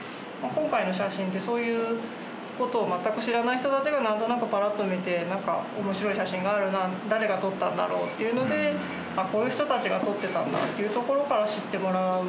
今回の写真って、そういうことを全く知らない人たちがなんとなくぱらっと見て、なんか、おもしろい写真があるな、誰が撮ったんだろうっていうので、こういう人たちが撮ってたんだっていうところから知ってもらう。